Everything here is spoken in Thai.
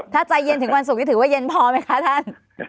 ถ้าใจเย็นถึงวันศุกร์นี้ถือว่าเย็นพอไหมคะท่าน